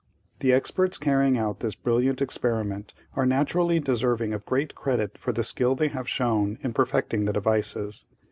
"The experts carrying out this brilliant experiment are naturally deserving of great credit for the skill they have shown in perfecting the devices.